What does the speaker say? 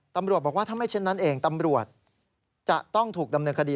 ตำรวจบอกว่าถ้าไม่เช่นนั้นเองตำรวจจะต้องถูกดำเนินคดี